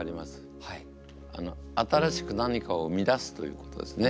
新しく何かを生み出すということですね。